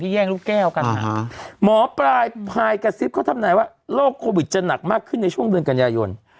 แย่งลูกแก้วกันหมอปลายพายกระซิบเขาทำนายว่าโรคโควิดจะหนักมากขึ้นในช่วงเดือนกันยายน